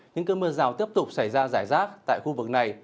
những cơn mưa rào tiếp tục xảy ra giải rác tại khu vực này